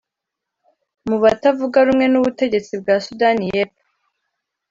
mu batavuga rumwe n’ ubutegetsi bwa sudani yepfo